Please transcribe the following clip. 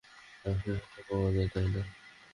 লাখে একটা পাওয়া যায়, তাই না?